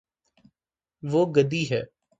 وہ گدی ہے